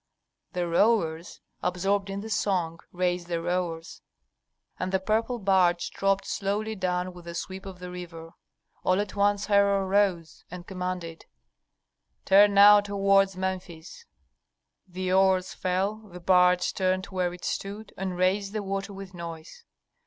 The rowers, absorbed in the song, raised their oars, and the purple barge dropped slowly down with the sweep of the river. All at once Herhor rose, and commanded, "Turn now toward Memphis!" The oars fell; the barge turned where it stood, and raised the water with noise.